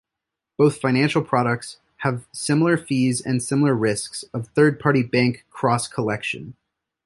Both financial products have similar fees and similar risks of third-party bank "cross-collection".